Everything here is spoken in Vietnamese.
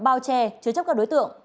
bao che chứa chấp các đối tượng